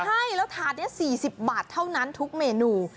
ใช่แล้วถาดนี้๔๐บาทเท่านั้นทุกเมนู